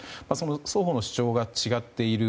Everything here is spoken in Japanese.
双方の主張が違っている。